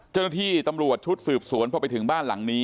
เจ้าหน้าที่ตำรวจชุดสืบสวนพอไปถึงบ้านหลังนี้